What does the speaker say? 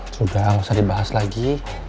sudah nggak usah dibahas lagi